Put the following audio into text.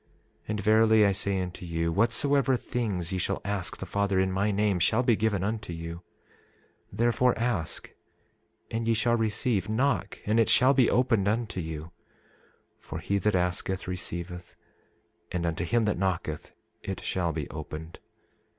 And verily I say unto you, whatsoever things ye shall ask the Father in my name shall be given unto you. 27:29 Therefore, ask, and ye shall receive; knock, and it shall be opened unto you; for he that asketh, receiveth; and unto him that knocketh, it shall be opened.